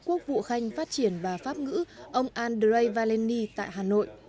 quốc vụ khanh phát triển và pháp ngữ ông andrei valeny tại hà nội